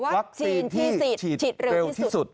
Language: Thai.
วัคซีนที่ฉีดเร็วที่สุด